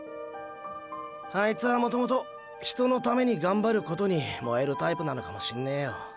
あいつぁ元々人のためにがんばることに燃えるタイプなのかもしんねーよ。